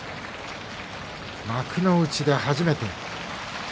幕内で初めて。